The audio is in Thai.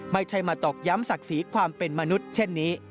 ไม่ใช่มาตอกย้ำศักดิ์ศรีความเป็นมนุษย์เช่นนี้